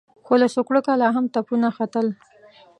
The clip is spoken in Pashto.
خو له سوکړکه لا هم تپونه ختل.